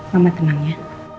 mama tenang ya